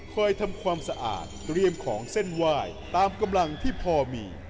ทำความสะอาดเตรียมของเส้นไหว้ตามกำลังที่พอมี